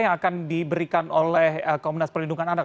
yang akan diberikan oleh komnas perlindungan anak